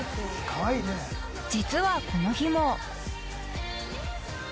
［実はこの日も］